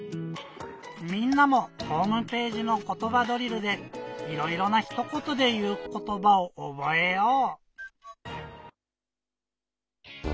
みんなもホームページの「ことばドリル」でいろいろなひとことでいうことばをおぼえよう！